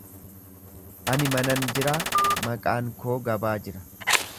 Ani manan jiraa maqaan koo gabaa jira.